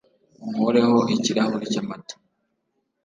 unkureho ikirahuri cyamata